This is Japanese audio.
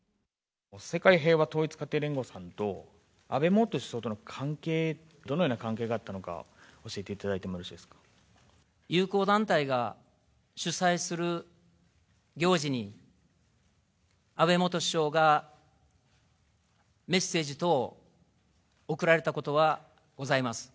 世界平和統一家庭連合さんと、安倍元首相との関係、どのような関係があったのか、教えていただ友好団体が主催する行事に、安倍元首相がメッセージ等送られたことはございます。